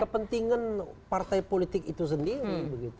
kepentingan partai politik itu sendiri